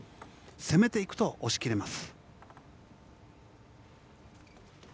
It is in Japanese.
攻めていくと、押し切れます。